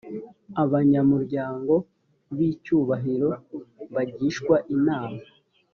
abanyamuryango b icyubahiro bagishwa inama